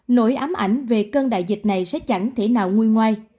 nỗi ám ảnh về cơn đại dịch này sẽ chẳng thể nào nguôi ngoai